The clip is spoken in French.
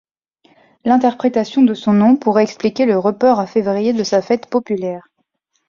L'interprétation de son nom pourrait expliquer le report à février de sa fête populaire.